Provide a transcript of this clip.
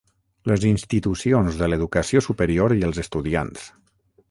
Les institucions de l'educació superior i els estudiants